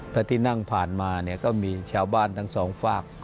พระที่นั่งผ่านมาเนี่ยก็มีชาวบ้านทั้งสองฝาก